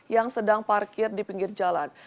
yang sedang parkir di pinggir jalan